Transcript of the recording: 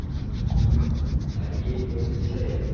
_ادې، اوس ښه يم.